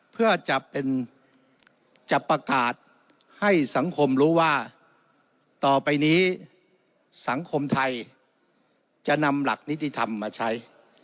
เพื่อจะเป็นจะประกาศให้สังคมรู้ว่าต่อไปนี้สังคมไทยจะนำหลักนิติธรรมมาใช้